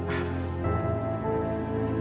terima kasih pak